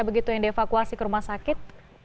begitu yang dievakuasi ke rumah sakit